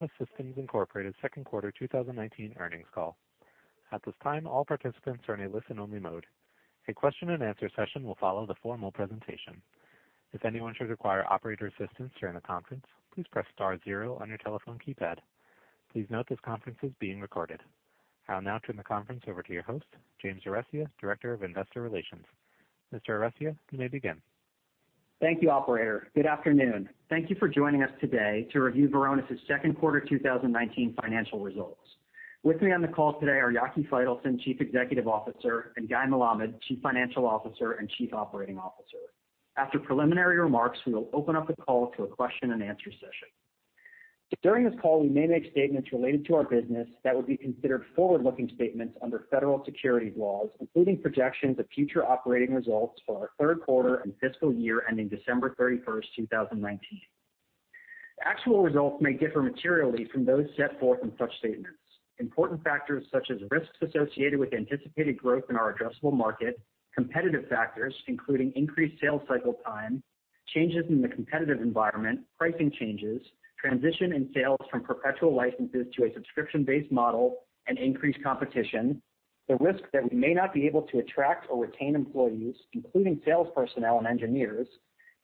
Varonis Systems Incorporated second quarter 2019 earnings call. At this time, all participants are in a listen-only mode. A question and answer session will follow the formal presentation. If anyone should require operator assistance during the conference, please press star zero on your telephone keypad. Please note this conference is being recorded. I will now turn the conference over to your host, James Arestia, Director of Investor Relations. Mr. Arestia, you may begin. Thank you, operator. Good afternoon. Thank you for joining us today to review Varonis' second quarter 2019 financial results. With me on the call today are Yaki Faitelson, Chief Executive Officer, and Guy Melamed, Chief Financial Officer and Chief Operating Officer. After preliminary remarks, we will open up the call to a question and answer session. During this call, we may make statements related to our business that would be considered forward-looking statements under federal securities laws, including projections of future operating results for our third quarter and fiscal year ending December 31st, 2019. Actual results may differ materially from those set forth in such statements. Important factors such as risks associated with anticipated growth in our addressable market, competitive factors, including increased sales cycle time, changes in the competitive environment, pricing changes, transition in sales from perpetual licenses to a subscription-based model, and increased competition, the risk that we may not be able to attract or retain employees, including sales personnel and engineers,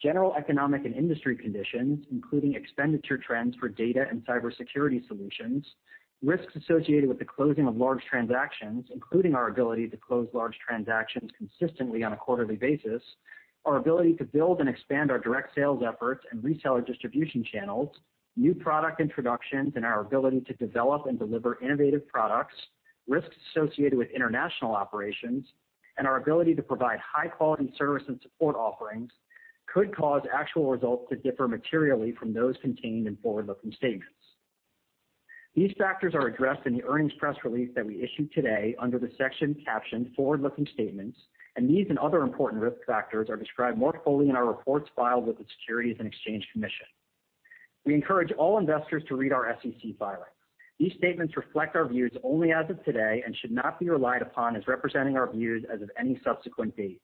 general economic and industry conditions, including expenditure trends for data and cybersecurity solutions, risks associated with the closing of large transactions, including our ability to close large transactions consistently on a quarterly basis, our ability to build and expand our direct sales efforts and reseller distribution channels, new product introductions, and our ability to develop and deliver innovative products, risks associated with international operations, and our ability to provide high-quality service and support offerings could cause actual results to differ materially from those contained in forward-looking statements. These factors are addressed in the earnings press release that we issued today under the section captioned Forward-Looking Statements, and these and other important risk factors are described more fully in our reports filed with the Securities and Exchange Commission. We encourage all investors to read our SEC filings. These statements reflect our views only as of today and should not be relied upon as representing our views as of any subsequent date.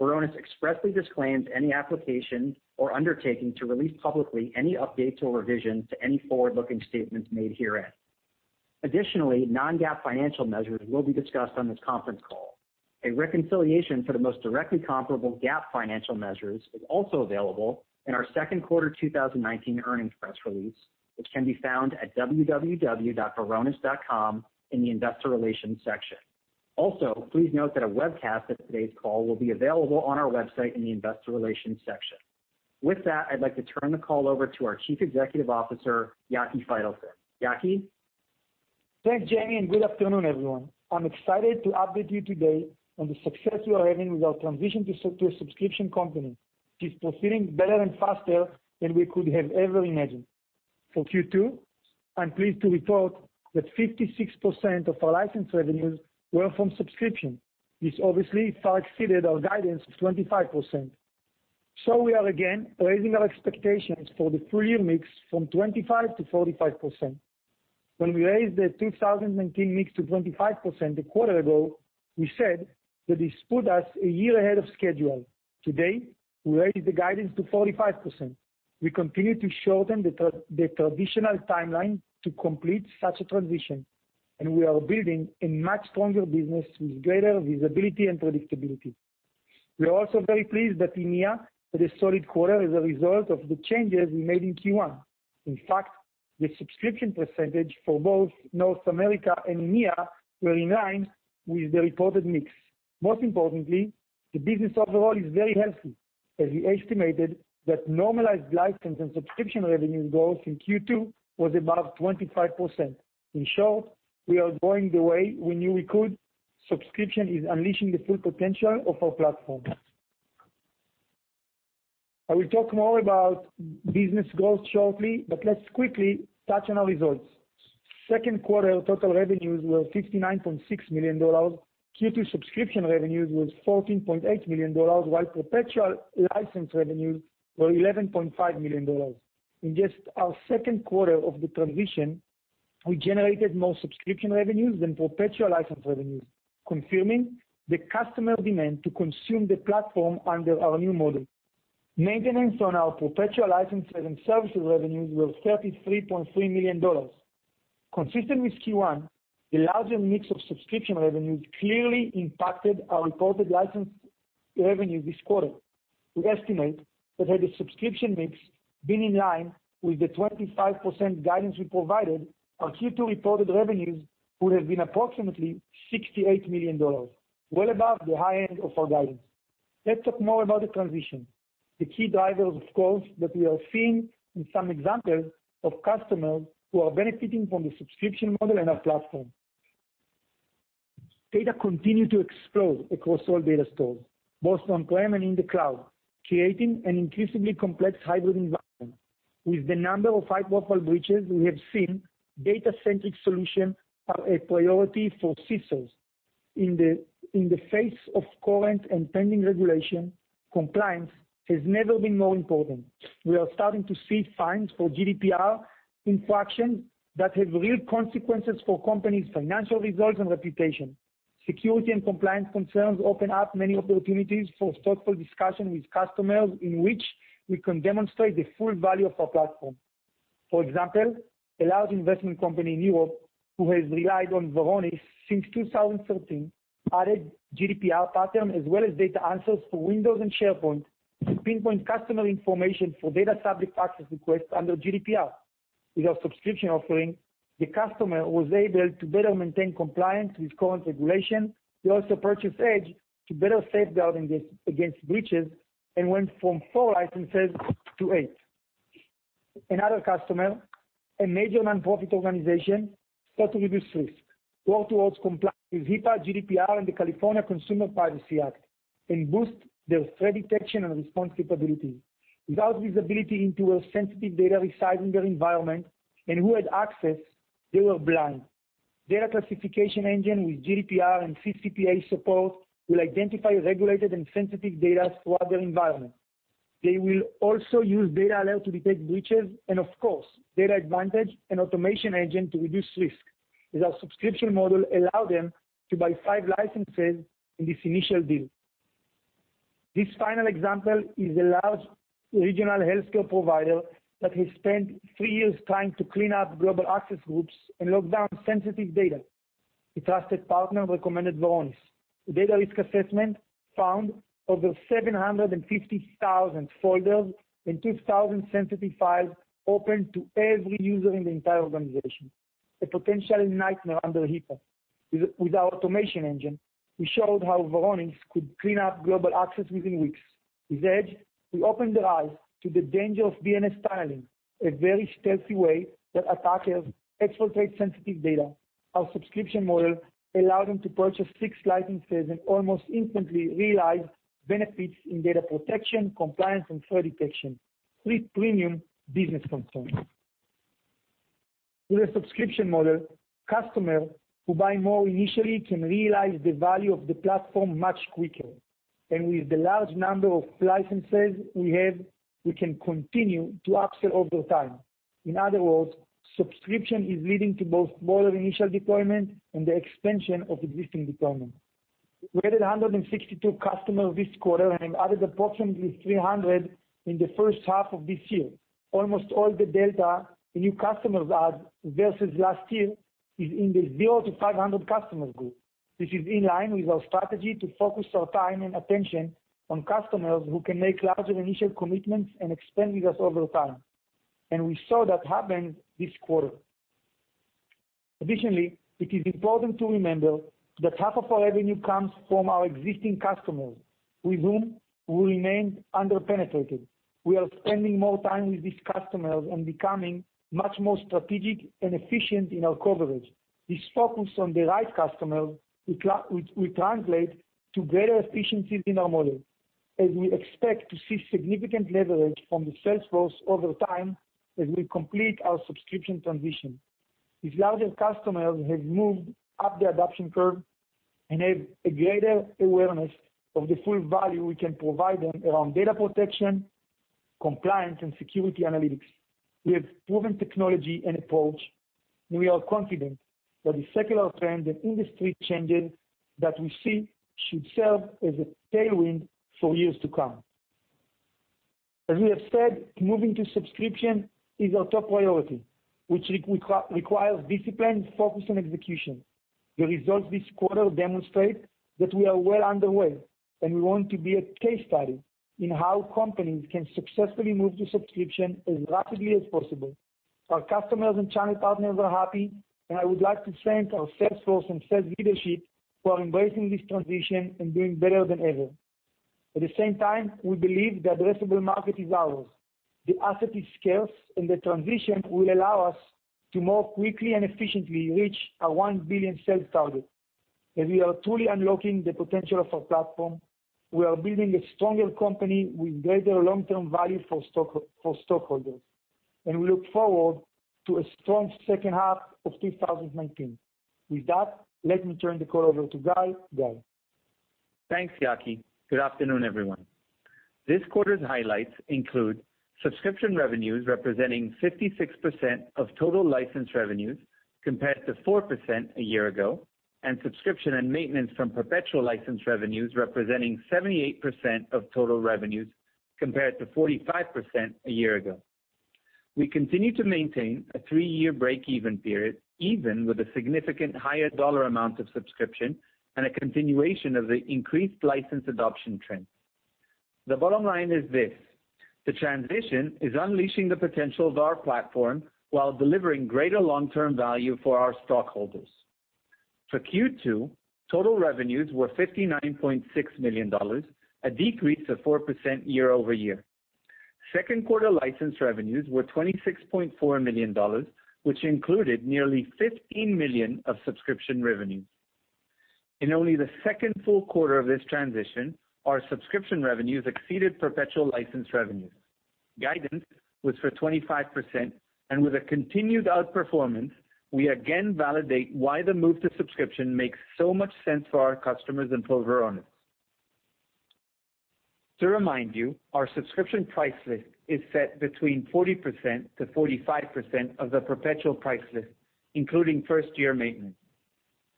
Varonis expressly disclaims any application or undertaking to release publicly any updates or revisions to any forward-looking statements made herein. Additionally, non-GAAP financial measures will be discussed on this conference call. A reconciliation for the most directly comparable GAAP financial measures is also available in our second quarter 2019 earnings press release, which can be found at www.varonis.com in the investor relations section. Also, please note that a webcast of today's call will be available on our website in the investor relations section. With that, I'd like to turn the call over to our Chief Executive Officer, Yaki Faitelson. Yaki? Thanks, Jamie, and good afternoon, everyone. I'm excited to update you today on the success we are having with our transition to a subscription company. It is proceeding better and faster than we could have ever imagined. For Q2, I'm pleased to report that 56% of our license revenues were from subscription. This obviously far exceeded our guidance of 25%, so we are again raising our expectations for the full year mix from 25%-45%. When we raised the 2019 mix to 25% a quarter ago, we said that this put us a year ahead of schedule. Today, we raised the guidance to 45%. We continue to shorten the traditional timeline to complete such a transition, and we are building a much stronger business with greater visibility and predictability. We are also very pleased that EMEA had a solid quarter as a result of the changes we made in Q1. In fact, the subscription percentage for both North America and EMEA were in line with the reported mix. Most importantly, the business overall is very healthy, as we estimated that normalized license and subscription revenue growth in Q2 was above 25%. In short, we are going the way we knew we could. Subscription is unleashing the full potential of our platform. I will talk more about business growth shortly, but let's quickly touch on our results. Second quarter total revenues were $59.6 million. Q2 subscription revenues was $14.8 million, while perpetual license revenues were $11.5 million. In just our second quarter of the transition, we generated more subscription revenues than perpetual license revenues, confirming the customer demand to consume the platform under our new model. Maintenance on our perpetual license and services revenues were $33.3 million. Consistent with Q1, the larger mix of subscription revenues clearly impacted our reported license revenue this quarter. We estimate that had the subscription mix been in line with the 25% guidance we provided, our Q2 reported revenues would have been approximately $68 million, well above the high end of our guidance. Let's talk more about the transition, the key drivers, of course, that we are seeing, and some examples of customers who are benefiting from the subscription model and our platform. Data continue to explode across all data stores, both on-prem and in the cloud, creating an increasingly complex hybrid environment. With the number of high-profile breaches we have seen, data-centric solutions are a priority for CISO. In the face of current and pending regulation, compliance has never been more important. We are starting to see fines for GDPR infractions that have real consequences for companies' financial results and reputation. Security and compliance concerns open up many opportunities for thoughtful discussion with customers, in which we can demonstrate the full value of our platform. For example, a large investment company in Europe, who has relied on Varonis since 2013, added GDPR Patterns as well as DatAnswers for Windows and SharePoint to pinpoint customer information for data subject access requests under GDPR. With our subscription offering, the customer was able to better maintain compliance with current regulation. He also purchased Edge to better safeguard against breaches and went from four licenses to eight. Another customer, a major nonprofit organization, sought to reduce risk, work towards compliance with HIPAA, GDPR, and the California Consumer Privacy Act, and boost their threat detection and response capability. Without visibility into their sensitive data residing their environment and who had access, they were blind. Data Classification Engine with GDPR and CCPA support will identify regulated and sensitive data throughout their environment. They will also use DatAlert to detect breaches and, of course, DatAdvantage and Automation Engine to reduce risk, as our subscription model allow them to buy five licenses in this initial deal. This final example is a large regional healthcare provider that has spent three years trying to clean up global access groups and lock down sensitive data. A trusted partner recommended Varonis. The data risk assessment found over 750,000 folders and 2,000 sensitive files open to every user in the entire organization, a potential nightmare under HIPAA. With our Automation Engine, we showed how Varonis could clean up global access within weeks. With Edge, we opened their eyes to the danger of DNS tunneling, a very stealthy way that attackers exfiltrate sensitive data. Our subscription model allowed them to purchase six licenses and almost instantly realize benefits in data protection, compliance, and threat detection. Three premium business use cases. With a subscription model, customers who buy more initially can realize the value of the platform much quicker. With the large number of licenses we have, we can continue to upsell over time. In other words, subscription is leading to both broader initial deployment and the expansion of existing deployment. We added 162 customers this quarter and added approximately 300 in the first half of this year. Almost all the delta new customers add versus last year is in this zero to 500 customers group, which is in line with our strategy to focus our time and attention on customers who can make larger initial commitments and expand with us over time. We saw that happen this quarter. Additionally, it is important to remember that half of our revenue comes from our existing customers, with whom we remain under-penetrated. We are spending more time with these customers and becoming much more strategic and efficient in our coverage. This focus on the right customers will translate to greater efficiencies in our model as we expect to see significant leverage from the sales force over time as we complete our subscription transition. These larger customers have moved up the adoption curve and have a greater awareness of the full value we can provide them around data protection, compliance, and security analytics. We have proven technology and approach, and we are confident that the secular trends and industry changes that we see should serve as a tailwind for years to come. As we have said, moving to subscription is our top priority, which requires discipline, focus, and execution. The results this quarter demonstrate that we are well underway, and we want to be a case study in how companies can successfully move to subscription as rapidly as possible. Our customers and channel partners are happy, and I would like to thank our sales force and sales leadership for embracing this transition and doing better than ever. At the same time, we believe the addressable market is ours. The asset is scarce, the transition will allow us to more quickly and efficiently reach our $1 billion sales target. As we are truly unlocking the potential of our platform, we are building a stronger company with greater long-term value for stockholders. We look forward to a strong second half of 2019. With that, let me turn the call over to Guy. Guy? Thanks, Yaki. Good afternoon, everyone. This quarter's highlights include subscription revenues representing 56% of total license revenues, compared to 4% a year ago, and subscription and maintenance from perpetual license revenues representing 78% of total revenues, compared to 45% a year ago. We continue to maintain a three-year break-even period, even with a significant higher dollar amount of subscription and a continuation of the increased license adoption trend. The bottom line is this: the transition is unleashing the potential of our platform while delivering greater long-term value for our stockholders. For Q2, total revenues were $59.6 million, a decrease of 4% year-over-year. Second quarter license revenues were $26.4 million, which included nearly $15 million of subscription revenues. In only the second full quarter of this transition, our subscription revenues exceeded perpetual license revenues. Guidance was for 25%. With a continued outperformance, we again validate why the move to subscription makes so much sense for our customers and for Varonis. To remind you, our subscription price list is set between 40%-45% of the perpetual price list, including first-year maintenance.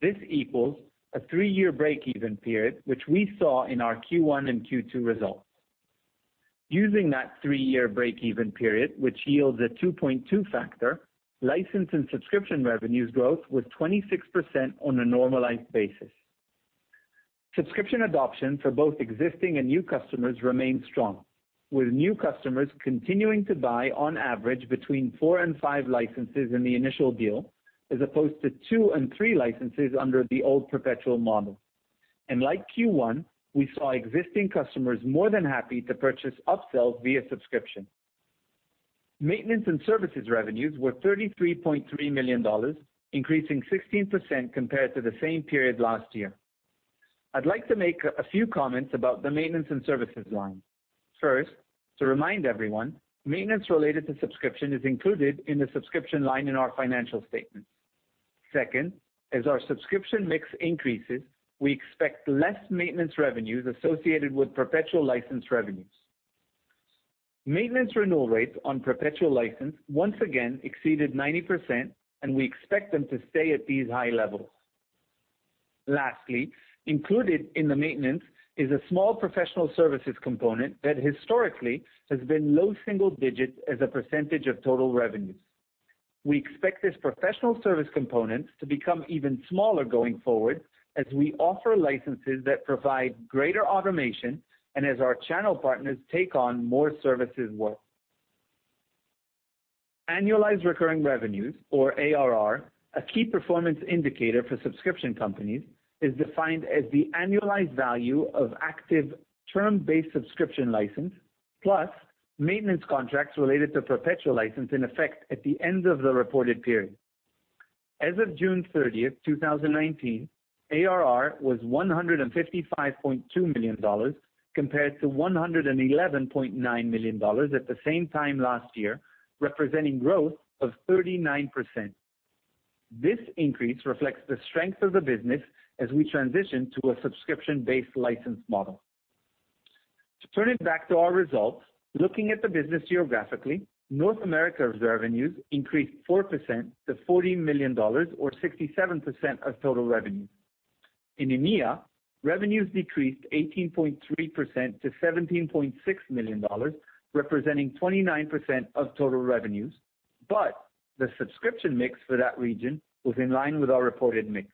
This equals a three-year breakeven period, which we saw in our Q1 and Q2 results. Using that three-year breakeven period, which yields a 2.2 factor, license and subscription revenues growth was 26% on a normalized basis. Subscription adoption for both existing and new customers remained strong, with new customers continuing to buy on average, between four and five licenses in the initial deal, as opposed to two and three licenses under the old perpetual model. Like Q1, we saw existing customers more than happy to purchase upsells via subscription. Maintenance and services revenues were $33.3 million, increasing 16% compared to the same period last year. I'd like to make a few comments about the maintenance and services line. First, to remind everyone, maintenance related to subscription is included in the subscription line in our financial statements. Second, as our subscription mix increases, we expect less maintenance revenues associated with perpetual license revenues. Maintenance renewal rates on perpetual license once again exceeded 90%, and we expect them to stay at these high levels. Lastly, included in the maintenance is a small professional services component that historically has been low single digits as a percentage of total revenues. We expect this professional service component to become even smaller going forward as we offer licenses that provide greater automation and as our channel partners take on more services work. Annualized recurring revenues or ARR, a key performance indicator for subscription companies, is defined as the annualized value of active term-based subscription license, plus maintenance contracts related to perpetual license in effect at the end of the reported period. As of June 30th, 2019, ARR was $155.2 million compared to $111.9 million at the same time last year, representing growth of 39%. This increase reflects the strength of the business as we transition to a subscription-based license model. To turn it back to our results, looking at the business geographically, North America's revenues increased 4% to $40 million or 67% of total revenues. In EMEA, revenues decreased 18.3% to $17.6 million, representing 29% of total revenues, but the subscription mix for that region was in line with our reported mix.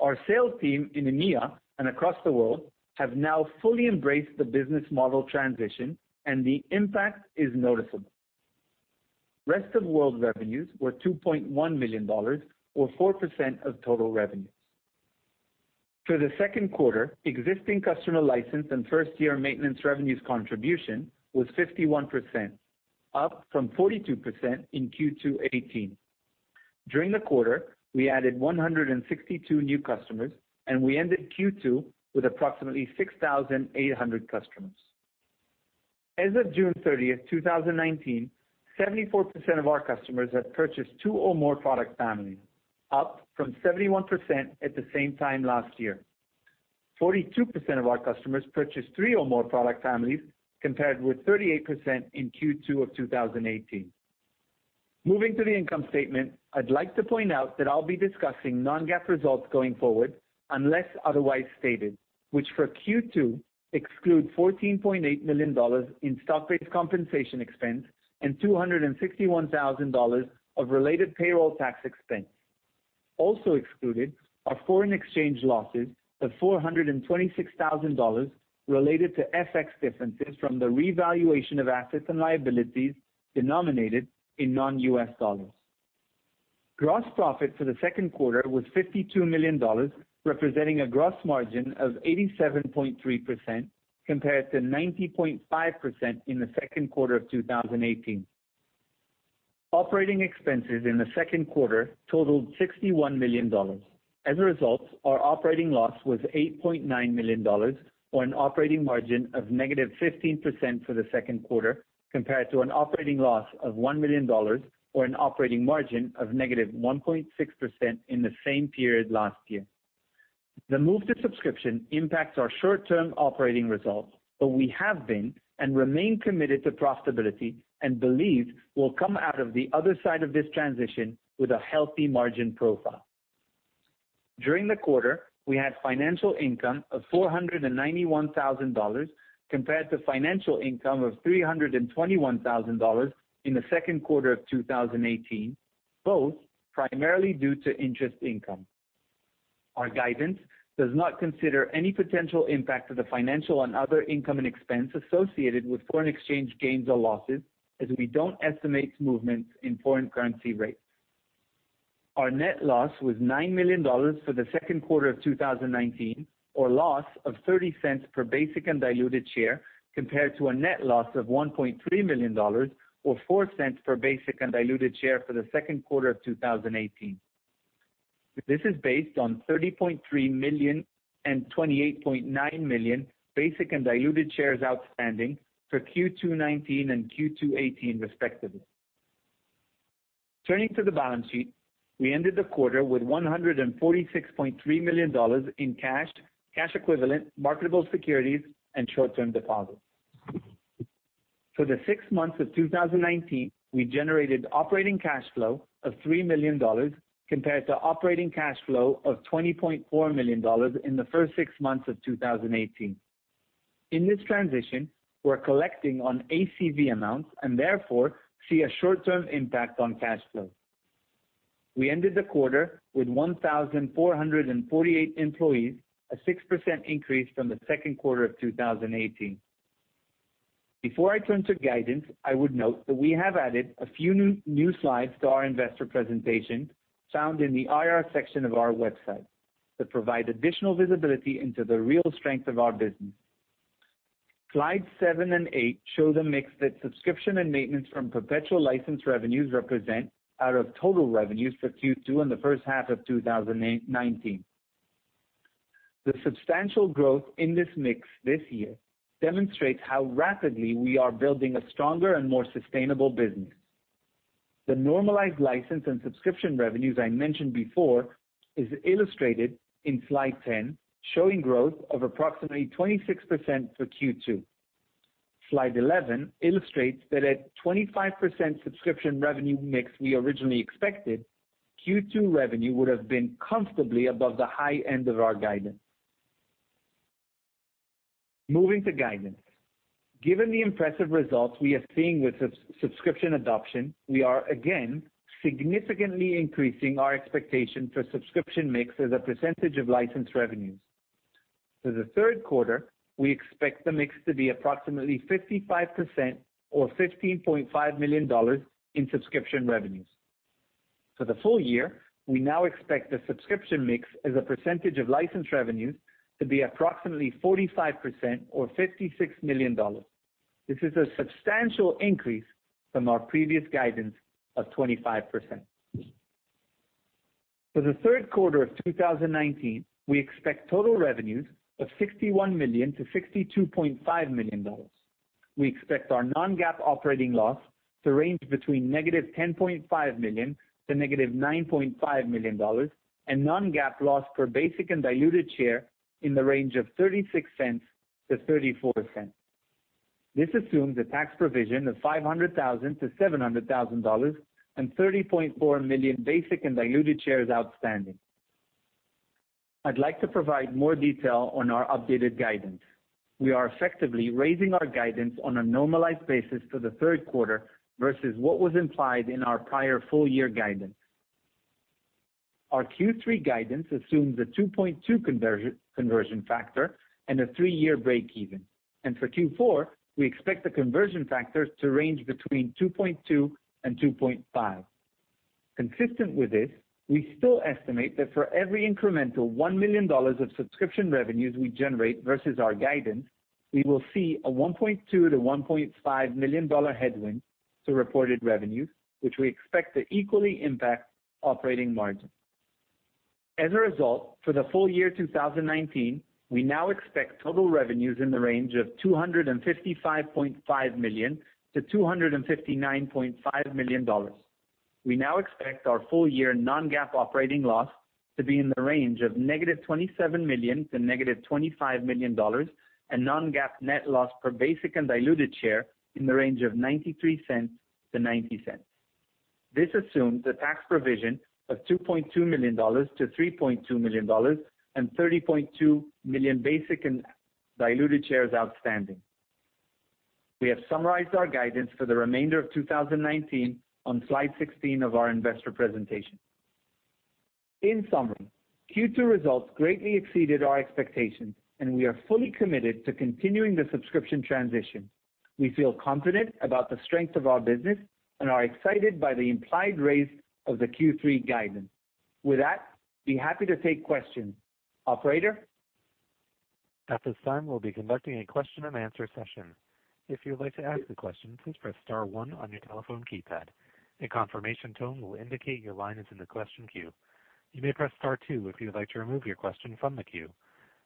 Our sales team in EMEA and across the world have now fully embraced the business model transition, and the impact is noticeable. Rest of World revenues were $2.1 million or 4% of total revenues. For the second quarter, existing customer license and first-year maintenance revenues contribution was 51%, up from 42% in Q2 2018. During the quarter, we added 162 new customers, and we ended Q2 with approximately 6,800 customers. As of June 30, 2019, 74% of our customers have purchased two or more product families, up from 71% at the same time last year. 42% of our customers purchased three or more product families, compared with 38% in Q2 2018. Moving to the income statement, I'd like to point out that I'll be discussing non-GAAP results going forward, unless otherwise stated, which for Q2 excludes $14.8 million in stock-based compensation expense and $261,000 of related payroll tax expense. Also excluded are foreign exchange losses of $426,000 related to FX differences from the revaluation of assets and liabilities denominated in non-U.S. dollars. Gross profit for the second quarter was $52 million, representing a gross margin of 87.3%, compared to 90.5% in the second quarter of 2018. Operating expenses in the second quarter totaled $61 million. As a result, our operating loss was $8.9 million or an operating margin of -15% for the second quarter, compared to an operating loss of $1 million or an operating margin of -1.6% in the same period last year. The move to subscription impacts our short-term operating results, but we have been and remain committed to profitability and believe we'll come out of the other side of this transition with a healthy margin profile. During the quarter, we had financial income of $491,000 compared to financial income of $321,000 in the second quarter of 2018, both primarily due to interest income. Our guidance does not consider any potential impact of the financial and other income and expense associated with foreign exchange gains or losses, as we don't estimate movements in foreign currency rates. Our net loss was $9 million for the second quarter of 2019, or loss of $0.30 per basic and diluted share, compared to a net loss of $1.3 million or $0.04 per basic and diluted share for the second quarter of 2018. This is based on 30.3 million and 28.9 million basic and diluted shares outstanding for Q2 2019 and Q2 2018 respectively. Turning to the balance sheet, we ended the quarter with $146.3 million in cash equivalent, marketable securities, and short-term deposits. For the six months of 2019, we generated operating cash flow of $3 million compared to operating cash flow of $20.4 million in the first six months of 2018. In this transition, we're collecting on ACV amounts and therefore, see a short-term impact on cash flow. We ended the quarter with 1,448 employees, a 6% increase from the second quarter of 2018. Before I turn to guidance, I would note that we have added a few new slides to our investor presentation, found in the IR section of our website, that provide additional visibility into the real strength of our business. Slides seven and eight show the mix that subscription and maintenance from perpetual license revenues represent out of total revenues for Q2 and the first half of 2019. The substantial growth in this mix this year demonstrates how rapidly we are building a stronger and more sustainable business. The normalized license and subscription revenues I mentioned before is illustrated in Slide 10, showing growth of approximately 26% for Q2. Slide 11 illustrates that at 25% subscription revenue mix we originally expected, Q2 revenue would've been comfortably above the high end of our guidance. Moving to guidance. Given the impressive results we are seeing with subscription adoption, we are again, significantly increasing our expectation for subscription mix as a percentage of licensed revenues. For the third quarter, we expect the mix to be approximately 55% or $15.5 million in subscription revenues. For the full year, we now expect the subscription mix as a percentage of license revenues to be approximately 45% or $56 million. This is a substantial increase from our previous guidance of 25%. For the third quarter of 2019, we expect total revenues of $61 million-$62.5 million. We expect our non-GAAP operating loss to range between negative $10.5 million to negative $9.5 million and non-GAAP loss per basic and diluted share in the range of $0.36-$0.34. This assumes a tax provision of $500,000-$700,000 and 30.4 million basic and diluted shares outstanding. I'd like to provide more detail on our updated guidance. We are effectively raising our guidance on a normalized basis for the third quarter versus what was implied in our prior full year guidance. Our Q3 guidance assumes a 2.2 conversion factor and a three-year breakeven. For Q4, we expect the conversion factor to range between 2.2 and 2.5. Consistent with this, we still estimate that for every incremental $1 million of subscription revenues we generate versus our guidance, we will see a $1.2 million-$1.5 million headwind to reported revenues, which we expect to equally impact operating margin. As a result, for the full year 2019, we now expect total revenues in the range of $255.5 million-$259.5 million. We now expect our full year non-GAAP operating loss to be in the range of negative $27 million to negative $25 million and non-GAAP net loss per basic and diluted share in the range of $0.93 to $0.90. This assumes a tax provision of $2.2 million-$3.2 million and 30.2 million basic and diluted shares outstanding. We have summarized our guidance for the remainder of 2019 on slide 16 of our investor presentation. In summary, Q2 results greatly exceeded our expectations. We are fully committed to continuing the subscription transition. We feel confident about the strength of our business and are excited by the implied raise of the Q3 guidance. With that, I'd be happy to take questions. Operator? At this time, we'll be conducting a question and answer session. If you would like to ask a question, please press star one on your telephone keypad. A confirmation tone will indicate your line is in the question queue. You may press star two if you would like to remove your question from the queue.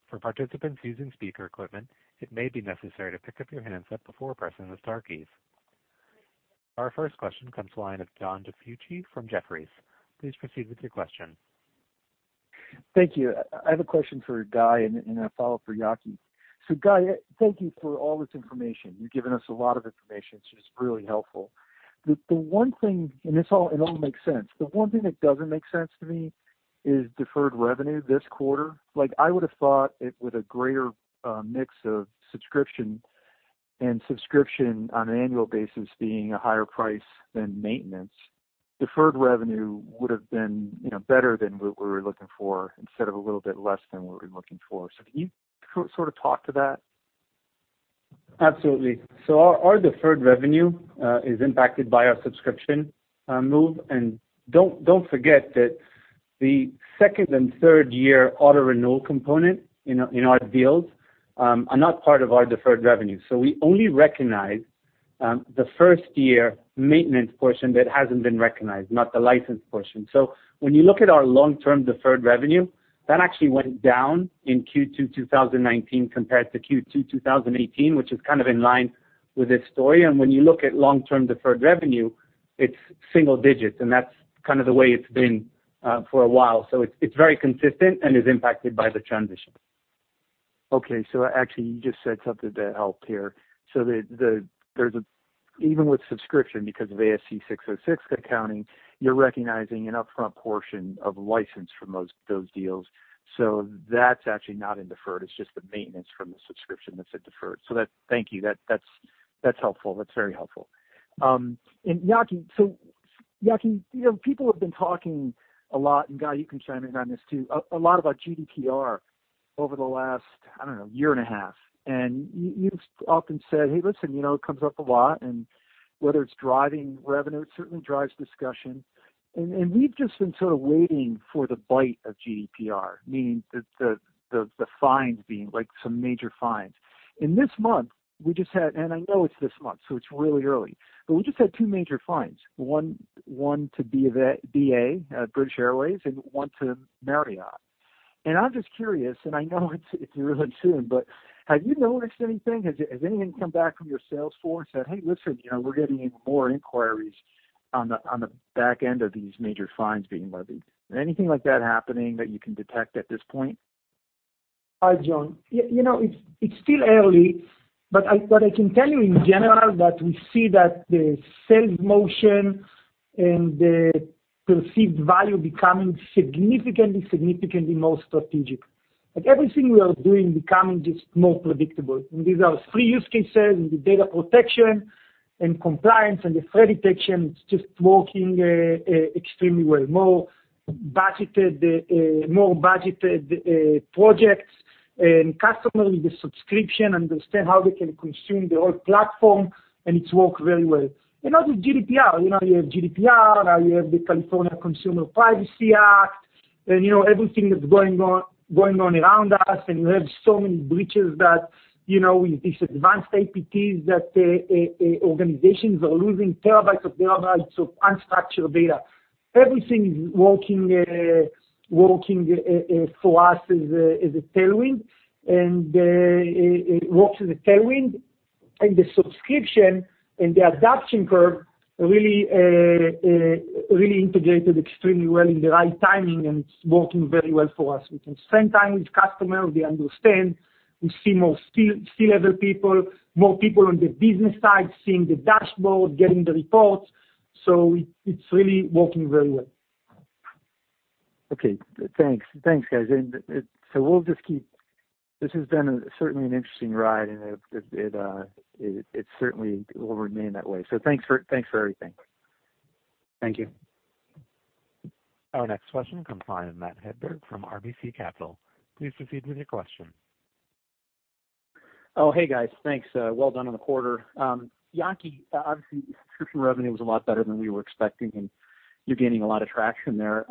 For participants using speaker equipment, it may be necessary to pick up your handset before pressing the star keys. Our first question comes the line of John DiFucci from Jefferies. Please proceed with your question. Thank you. I have a question for Guy and a follow for Yaki. Guy, thank you for all this information. You've given us a lot of information. It's just really helpful. It all makes sense, but one thing that doesn't make sense to me is deferred revenue this quarter. I would have thought with a greater mix of subscription and subscription on an annual basis being a higher price than maintenance, deferred revenue would have been better than what we were looking for, instead of a little bit less than what we're looking for. Can you sort of talk to that? Absolutely. Our deferred revenue is impacted by our subscription move, don't forget that the second and third year auto-renewal component in our deals are not part of our deferred revenue. We only recognize the first year maintenance portion that hasn't been recognized, not the license portion. When you look at our long-term deferred revenue, that actually went down in Q2 2019 compared to Q2 2018, which is kind of in line with this story. It's single digits, and that's kind of the way it's been for a while. It's very consistent and is impacted by the transition. Okay, actually, you just said something that helped here. Even with subscription, because of ASC 606 accounting, you're recognizing an upfront portion of license from those deals. That's actually not in deferred, it's just the maintenance from the subscription that's a deferred. Thank you, that's helpful. That's very helpful. Yaki, people have been talking a lot, and Guy, you can chime in on this, too, a lot about GDPR over the last, I don't know, year and a half. You've often said, hey, listen, it comes up a lot and whether it's driving revenue, it certainly drives discussion. We've just been sort of waiting for the bite of GDPR, meaning the fines being like some major fines. In this month, we just had, and I know it's this month, so it's really early, but we just had two major fines, one to BA, British Airways, and one to Marriott. I'm just curious, and I know it's really soon, but have you noticed anything? Has anyone come back from your sales force and said, "Hey, listen, we're getting even more inquiries on the back end of these major fines being levied"? Anything like that happening that you can detect at this point? Hi, John. It's still early, but what I can tell you in general, that we see that the sales motion and the perceived value becoming significantly more strategic. Like everything we are doing becoming just more predictable. These are three use cases and the data protection and compliance and the threat detection. It's just working extremely well. More budgeted projects and customers with the subscription understand how they can consume the whole platform, and it's worked very well. Now with GDPR. You have GDPR, now you have the California Consumer Privacy Act, and everything that's going on around us, and we have so many breaches that with these advanced APTs, that organizations are losing terabytes of unstructured data. Everything is working for us as a tailwind, and it works as a tailwind. The subscription and the adoption curve really integrated extremely well in the right timing, and it's working very well for us. We can spend time with customers, they understand. We see more C-level people, more people on the business side, seeing the dashboard, getting the reports. It's really working very well. Okay, thanks. Thanks, guys. This has been certainly an interesting ride, and it certainly will remain that way. Thanks for everything. Thank you. Our next question comes from Matt Hedberg from RBC Capital. Please proceed with your question. Oh, hey, guys. Thanks. Well done on the quarter. Yaki, obviously, subscription revenue was a lot better than we were expecting, and you're gaining a lot of traction there.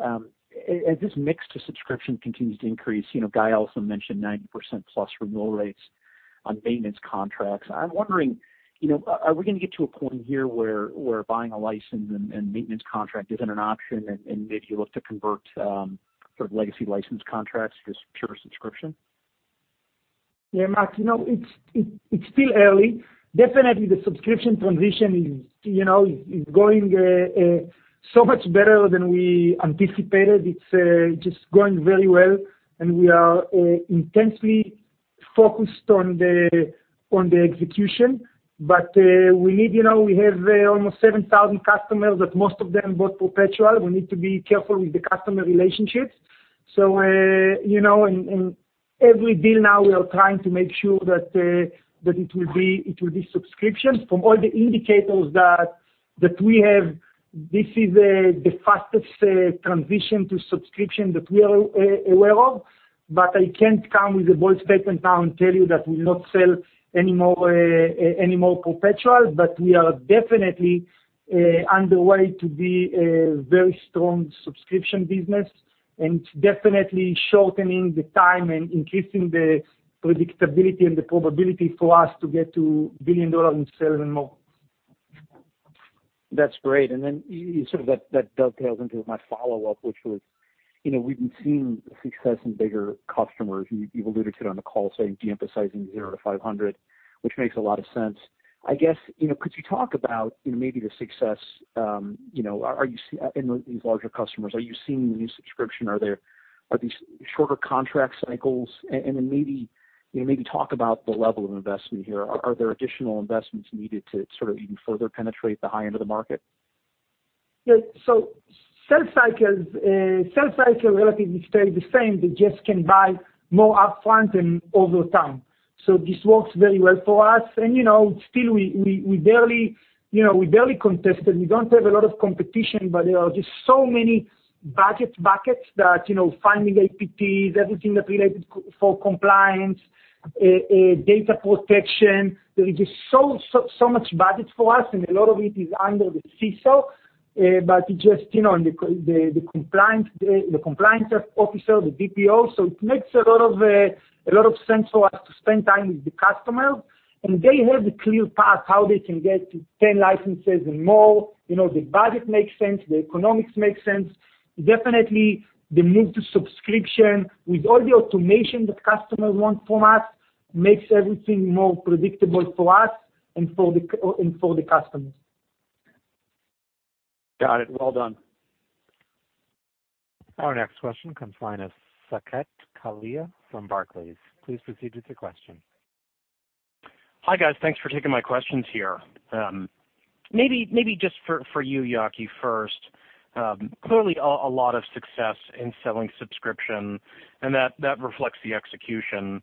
As this mix to subscription continues to increase, Guy also mentioned 90% plus renewal rates on maintenance contracts. I'm wondering, are we going to get to a point here where buying a license and maintenance contract isn't an option, and maybe you look to convert sort of legacy license contracts to just pure subscription? Yeah, Matt, it's still early. Definitely, the subscription transition is going so much better than we anticipated. It's just going very well, and we are intensely focused on the execution. We have almost 7,000 customers that most of them bought perpetual. We need to be careful with the customer relationships. In every deal now, we are trying to make sure that it will be subscription. From all the indicators that we have, this is the fastest transition to subscription that we are aware of, but I can't come with a bold stake in town and tell you that we'll not sell any more perpetual. We are definitely on the way to be a very strong subscription business, and it's definitely shortening the time and increasing the predictability and the probability for us to get to billion dollar in sales and more. That's great. Then you sort of that dovetails into my follow-up, which was, we've been seeing success in bigger customers. You've alluded to it on the call, saying de-emphasizing 0-500, which makes a lot of sense. I guess, could you talk about maybe the success, in these larger customers, are you seeing the new subscription? Are these shorter contract cycles? Then maybe talk about the level of investment here. Are there additional investments needed to sort of even further penetrate the high end of the market? Sell cycles relatively stay the same. They just can buy more upfront and over time. This works very well for us. Still we barely contested. We don't have a lot of competition, but there are just so many budget buckets that finding APTs, everything that related for compliance, data protection, there is just so much budget for us, and a lot of it is under the CISO, but it's just on the compliance officer, the DPO. It makes a lot of sense for us to spend time with the customers, and they have the clear path how they can get to 10 licenses and more. The budget makes sense, the economics makes sense. Definitely, the move to subscription with all the automation that customers want from us makes everything more predictable for us and for the customers. Got it. Well done. Our next question comes from Saket Kalia from Barclays. Please proceed with your question. Hi, guys. Thanks for taking my questions here. Maybe just for you, Yaki, first. A lot of success in selling subscription, and that reflects the execution.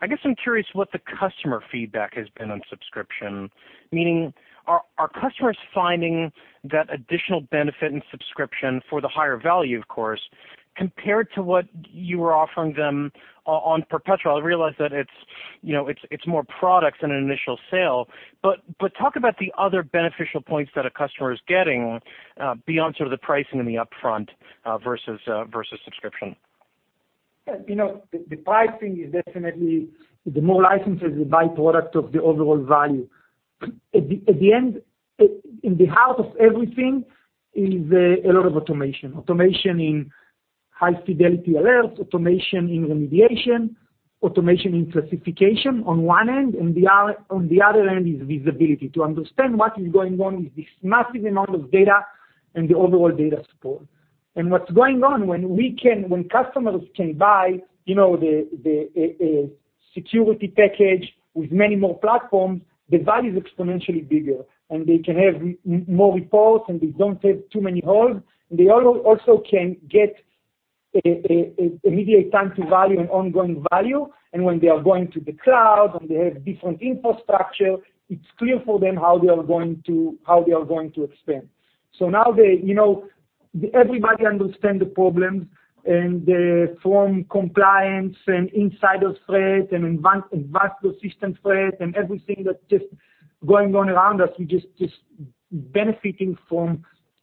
I guess I'm curious what the customer feedback has been on subscription. Meaning, are customers finding that additional benefit in subscription for the higher value, of course, compared to what you were offering them on perpetual? I realize that it's more product than an initial sale. Talk about the other beneficial points that a customer is getting, beyond sort of the pricing in the upfront versus subscription. Yeah. The pricing is definitely the more licenses, the by-product of the overall value. At the end, in the heart of everything, is a lot of automation. Automation in high fidelity alerts, automation in remediation, automation in classification on one end, and the other end is visibility. To understand what is going on with this massive amount of data and the overall data support. What's going on, when customers can buy the security package with many more platforms, the value is exponentially bigger, and they can have more reports, and they don't have too many holes. They also can get immediate time to value and ongoing value. When they are going to the cloud and they have different infrastructure, it's clear for them how they are going to expand. Now, everybody understand the problems, and from compliance, and insider threat, and advanced persistent threat, and everything that's just going on around us, we're just benefiting from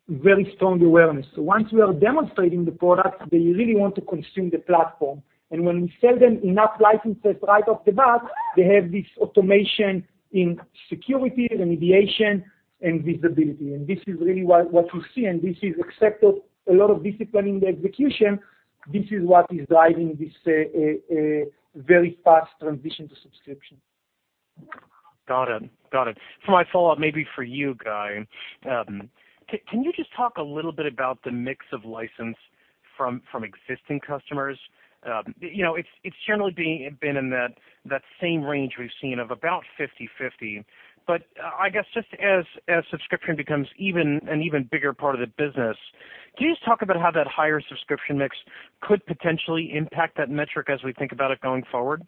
very strong awareness. Once we are demonstrating the product, they really want to consume the platform. When we sell them enough licenses right off the bat, they have this automation in security, remediation, and visibility. This is really what you see, and this is except of a lot of discipline in the execution. This is what is driving this very fast transition to subscription. Got it. For my follow-up, maybe for you, Guy. Can you just talk a little bit about the mix of license from existing customers? It's generally been in that same range we've seen of about 50/50. I guess just as subscription becomes an even bigger part of the business, can you just talk about how that higher subscription mix could potentially impact that metric as we think about it going forward,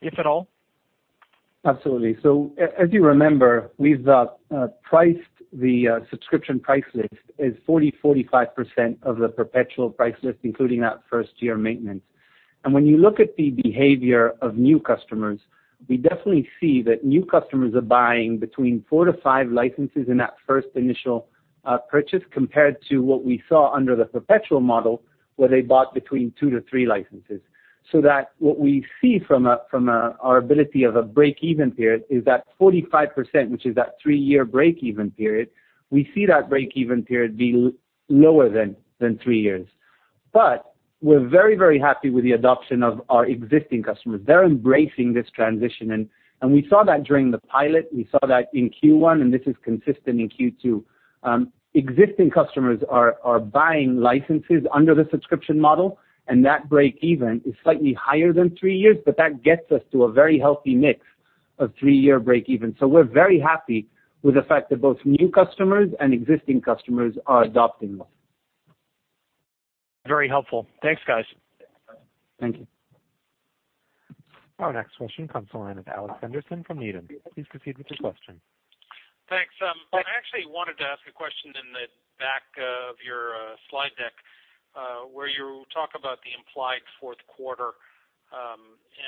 if at all? Absolutely. As you remember, we've priced the subscription price list is 40%-45% of the perpetual price list, including that first-year maintenance. When you look at the behavior of new customers, we definitely see that new customers are buying between four to five licenses in that first initial purchase, compared to what we saw under the perpetual model, where they bought between two to three licenses. That what we see from our ability of a break-even period is that 45%, which is that three-year break-even period, we see that break-even period be lower than three years. We're very happy with the adoption of our existing customers. They're embracing this transition, we saw that during the pilot, we saw that in Q1, this is consistent in Q2. Existing customers are buying licenses under the subscription model, that break even is slightly higher than three years, but that gets us to a very healthy mix of three-year break even. We're very happy with the fact that both new customers and existing customers are adopting this. Very helpful. Thanks, guys. Thank you. Our next question comes the line of Alex Henderson from Needham. Please proceed with your question. Thanks. I actually wanted to ask a question in the back of your slide deck, where you talk about the implied fourth quarter.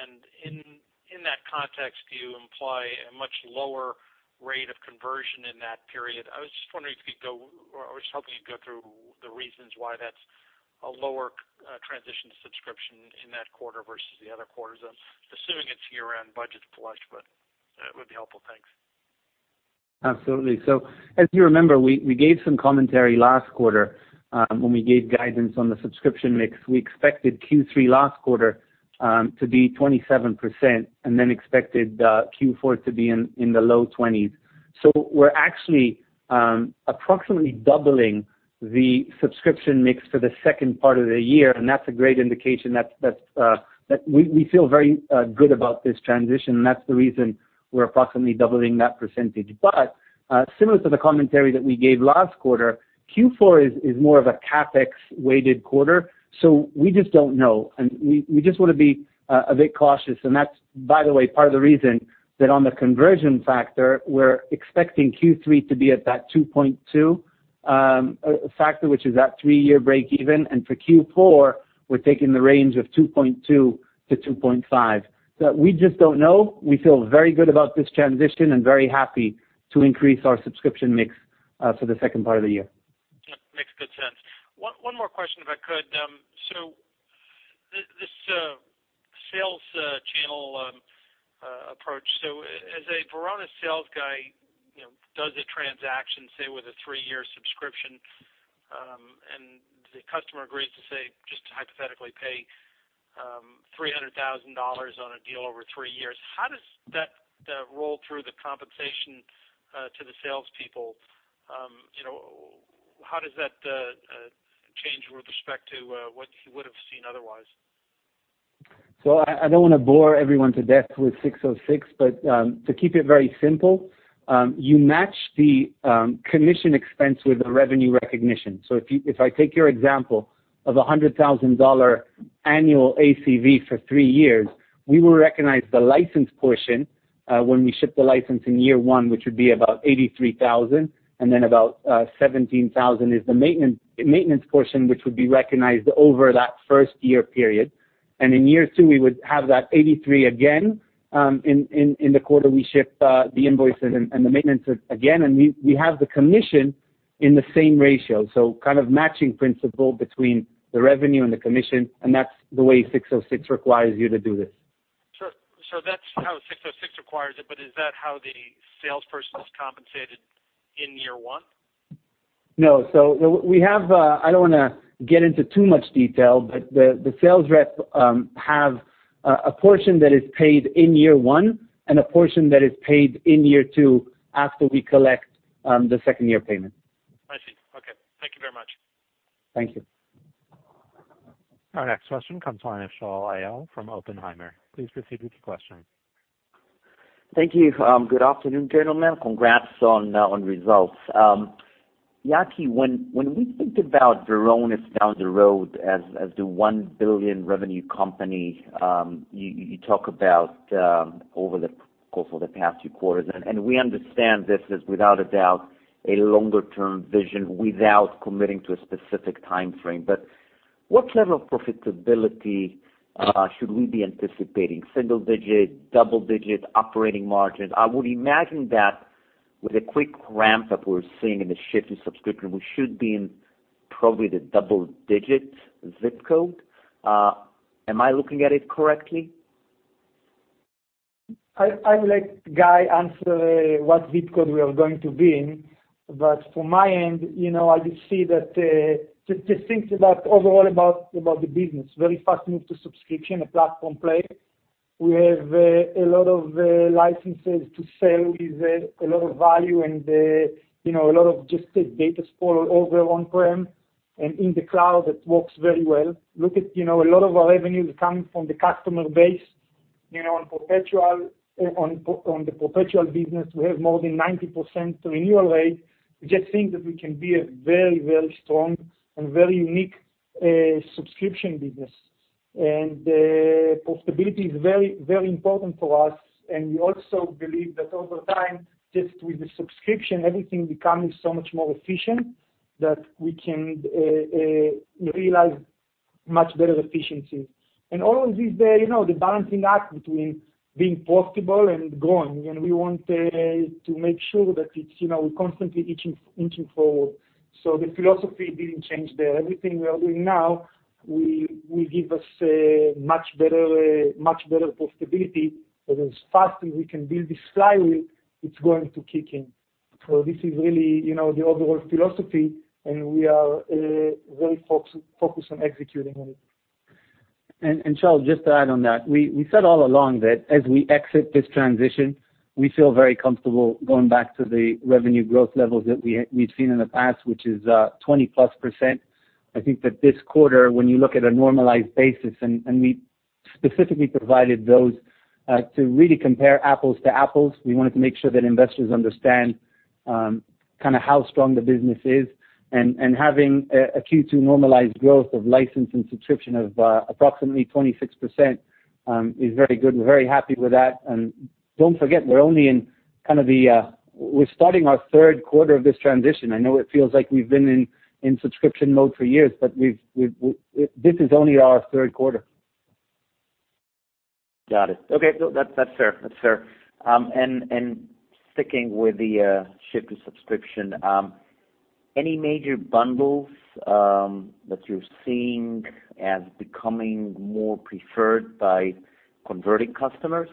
In that context, you imply a much lower rate of conversion in that period. I was just wondering if you could go, or I was hoping you'd go through the reasons why that's a lower transition subscription in that quarter versus the other quarters. I'm assuming it's year-round budget flush, but that would be helpful. Thanks. Absolutely. As you remember, we gave some commentary last quarter, when we gave guidance on the subscription mix. We expected Q3 last quarter to be 27%, and then expected Q4 to be in the low 20s. We're actually approximately doubling the subscription mix for the second part of the year, and that's a great indication that we feel very good about this transition, and that's the reason we're approximately doubling that percentage. Similar to the commentary that we gave last quarter, Q4 is more of a CapEx weighted quarter. We just don't know, and we just want to be a bit cautious, and that's, by the way, part of the reason that on the conversion factor, we're expecting Q3 to be at that 2.2, a factor which is that three-year break-even. For Q4, we're taking the range of 2.2 to 2.5. We just don't know. We feel very good about this transition and very happy to increase our subscription mix for the second part of the year. Makes good sense. One more question, if I could. This sales channel approach, so as a Varonis sales guy Does a transaction, say, with a three-year subscription, and the customer agrees to, just hypothetically, pay $300,000 on a deal over three years. How does that roll through the compensation to the salespeople? How does that change with respect to what you would've seen otherwise? I don't want to bore everyone to death with 606, but to keep it very simple, you match the commission expense with the revenue recognition. If I take your example of $100,000 annual ACV for three years, we will recognize the license portion, when we ship the license in year one, which would be about $83,000, and then about $17,000 is the maintenance portion, which would be recognized over that first-year period. In year two, we would have that $83,000 again, in the quarter we ship the invoices and the maintenance again. We have the commission in the same ratio, kind of matching principle between the revenue and the commission, and that's the way 606 requires you to do this. Sure. That's how 606 requires it, but is that how the salesperson is compensated in year one? No. I don't want to get into too much detail, but the sales reps have a portion that is paid in year one and a portion that is paid in year two, after we collect the second year payment. I see. Okay. Thank you very much. Thank you. Our next question comes line of Shaul Eyal from Oppenheimer. Please proceed with your question. Thank you. Good afternoon, gentlemen. Congrats on results. Yaki, when we think about Varonis down the road as the $1 billion revenue company, you talk about over the course of the past few quarters, and we understand this is without a doubt, a longer-term vision without committing to a specific timeframe. What level of profitability should we be anticipating? Single-digit, double-digit operating margin? I would imagine that with a quick ramp-up we're seeing in the shift to subscription, we should be in probably the double-digit ZIP code. Am I looking at it correctly? I would let Guy answer what ZIP code we are going to be in. From my end, I just see that, just think about overall about the business, very fast move to subscription, a platform play. We have a lot of licenses to sell with a lot of value and a lot of just data sprawl over on-prem and in the cloud that works very well. Look at a lot of our revenues coming from the customer base, on the perpetual business, we have more than 90% renewal rate. We just think that we can be a very strong and very unique subscription business. Profitability is very important to us, and we also believe that over time, just with the subscription, everything becomes so much more efficient that we can realize much better efficiency. All of this, the balancing act between being profitable and growing, and we want to make sure that we're constantly inching forward. The philosophy didn't change there. Everything we are doing now, will give us a much better profitability, but as fast as we can build this flywheel, it's going to kick in. This is really, the overall philosophy, and we are very focused on executing on it. Shaul, just to add on that, we said all along that as we exit this transition, we feel very comfortable going back to the revenue growth levels that we've seen in the past, which is 20%+. I think that this quarter, when you look at a normalized basis, and we specifically provided those to really compare apples to apples, we wanted to make sure that investors understand how strong the business is. Having a Q2 normalized growth of license and subscription of approximately 26% is very good. We're very happy with that. Don't forget, we're starting our third quarter of this transition. I know it feels like we've been in subscription mode for years, but this is only our third quarter. Got it. Okay. That's fair. Sticking with the shift to subscription, any major bundles that you're seeing as becoming more preferred by converting customers?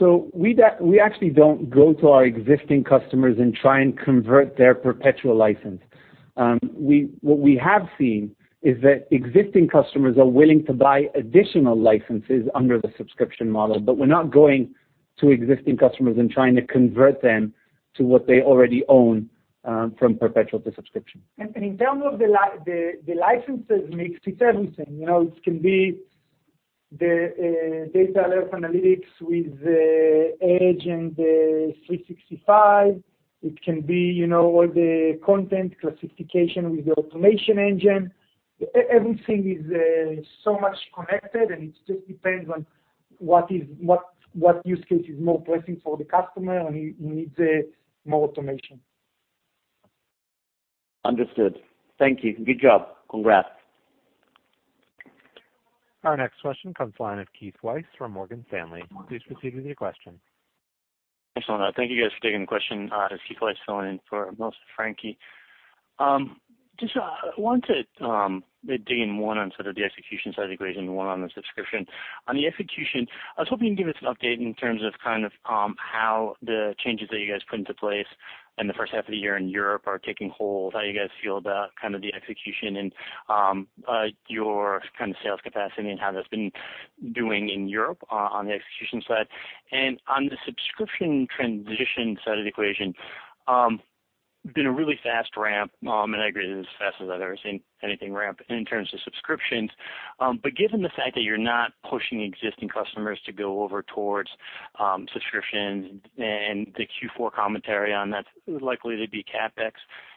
We actually don't go to our existing customers and try and convert their perpetual license. What we have seen is that existing customers are willing to buy additional licenses under the subscription model, but we're not going to existing customers and trying to convert them to what they already own, from perpetual to subscription. In terms of the licenses mix, it's everything. It can be the data analytics with Edge and the 365. It can be all the content classification with the Automation Engine. Everything is so much connected, and it just depends on what use case is more pressing for the customer, and he needs more automation. Understood. Thank you. Good job. Congrats. Our next question comes line of Keith Weiss from Morgan Stanley. Please proceed with your question. Excellent. Thank you guys for taking the question. It's Keith Weiss filling in for Melissa Franchi. Just wanted to dig in one on sort of the execution side of the equation, one on the subscription. On the execution, I was hoping you'd give us an update in terms of how the changes that you guys put into place in the first half of the year in Europe are taking hold, how you guys feel about the execution and your kind of sales capacity, and how that's been doing in Europe on the execution side. On the subscription transition side of the equation, it's been a really fast ramp, and I agree, this is as fast as I've ever seen anything ramp in terms of subscriptions. Given the fact that you're not pushing existing customers to go over towards subscriptions, and the Q4 commentary on that's likely to be CapEx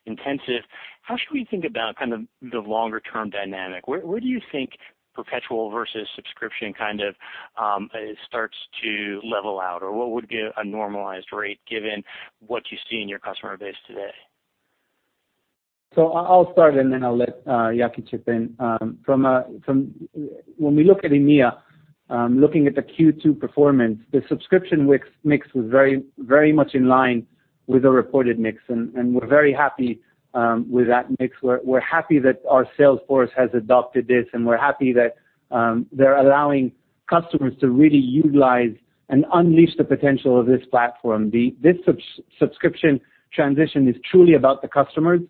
intensive, how should we think about kind of the longer term dynamic? Where do you think perpetual versus subscription kind of starts to level out? Or what would be a normalized rate given what you see in your customer base today? I'll start, and then I'll let Yaki chip in. When we look at EMEA, looking at the Q2 performance, the subscription mix was very much in line with the reported mix, and we're very happy with that mix. We're happy that our sales force has adopted this, and we're happy that they're allowing customers to really utilize and unleash the potential of this platform. This subscription transition is truly about the customers,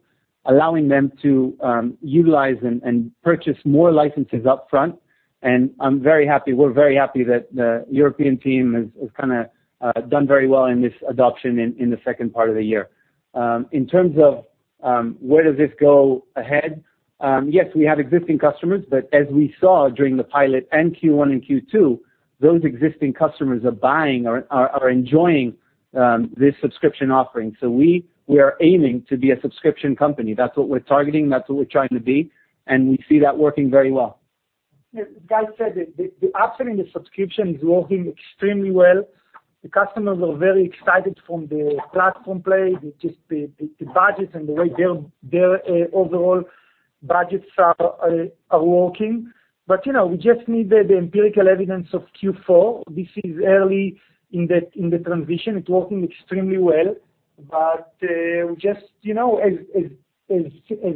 allowing them to utilize and purchase more licenses upfront, and we're very happy that the European team has kind of done very well in this adoption in the second part of the year. In terms of where does this go ahead? Yes, we have existing customers, but as we saw during the pilot and Q1 and Q2, those existing customers are buying or are enjoying this subscription offering. We are aiming to be a subscription company. That's what we're targeting, that's what we're trying to be, and we see that working very well. Yeah, Guy said it. The option in the subscription is working extremely well. The customers are very excited from the platform play, just the budgets and the way their overall budgets are working. We just need the empirical evidence of Q4. This is early in the transition. It's working extremely well. As